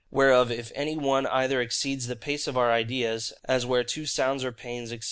Whereof if any one either exceeds the pace of our ideas, as where two sounds or pains, &c.